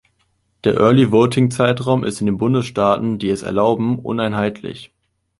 Der Early Voting Zeitraum ist in den Bundesstaaten, die es erlauben, uneinheitlich.